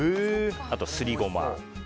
あとすりゴマ。